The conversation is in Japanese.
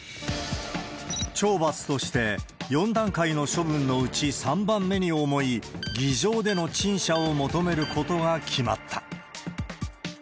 懲罰として、４段階の処分のうち３番目に重い、議場での陳謝を求めることが決まった。